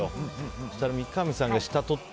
そうしたら、三上さんが下取って。